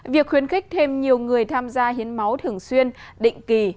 việc khuyến khích thêm nhiều người tham gia hiến máu thường xuyên định kỳ